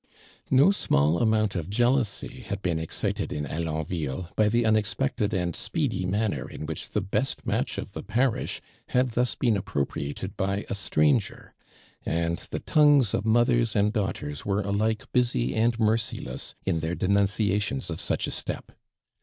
No small amount of jealousy had been excited in Alonville by the unexpected antl speedy manner in which the best match of the parish had thus been aj>propriated by a stranger ; and the tongues of mothers and daughters were alike busy and merciless in their denunciations of such a step.